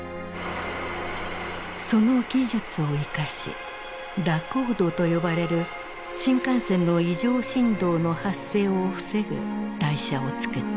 その技術を生かし蛇行動と呼ばれる新幹線の異常振動の発生を防ぐ台車をつくった。